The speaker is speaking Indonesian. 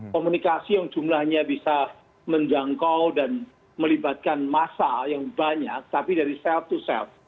komunikasi yang jumlahnya bisa menjangkau dan melibatkan massa yang banyak tapi dari self to self